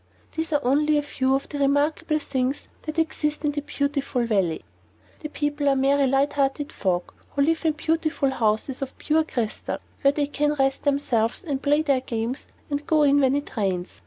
These are only a few of the remarkable things that exist in the Beautiful Valley. The people are merry, light hearted folk, who live in beautiful houses of pure crystal, where they can rest themselves and play their games and go in when it rains.